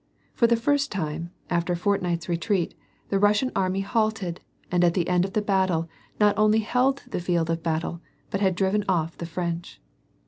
For the first time, after a fortnight's retreat, the Russian army halted, and at the end of the battle, not only held the field of battle, but had driven off the Prench.